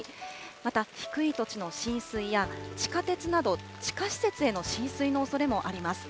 また、低い土地の浸水や地下鉄など、地下施設への浸水のおそれもあります。